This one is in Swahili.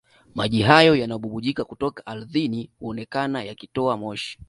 Maji hayo yanayobubujika kutoka ardhini huonekana yakitoa moshi